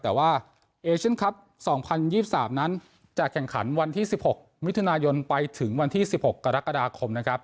แต่ว่าเอเชียนคลับ๒๐๒๓นั้นจะแข่งขันวันที่๑๖มิถุนายนไปถึงวันที่๑๖กรกฎาคมนะครับ